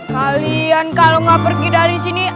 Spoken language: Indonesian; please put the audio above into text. kalian kalau nggak pergi dari sini